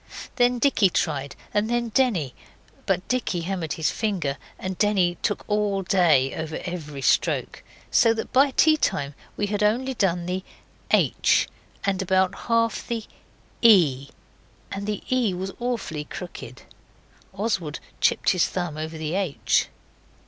Then Dicky tried, and then Denny, but Dicky hammered his finger, and Denny took all day over every stroke, so that by tea time we had only done the H, and about half the E and the E was awfully crooked. Oswald chipped his thumb over the H.